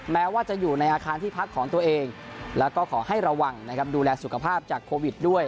แม้ว่าจะอยู่ในอาคารที่พักของตัวเองแล้วก็ขอให้ระวังนะครับดูแลสุขภาพจากโควิดด้วย